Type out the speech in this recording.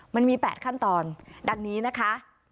มันมี๘ขั้นตอนดังนี้นะคะ